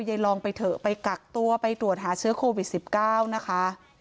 ลองไปเถอะไปกักตัวไปตรวจหาเชื้อโควิด๑๙นะคะ